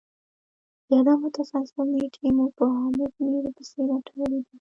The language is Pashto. د عدم تسلسل نیټې مو په حامد میر پسي لټولې دي